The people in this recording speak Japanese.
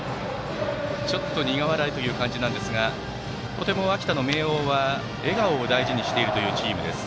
ちょっと苦笑いという感じですがとても秋田・明桜は笑顔を大事にしているというチームです。